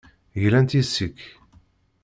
Glant yes-k.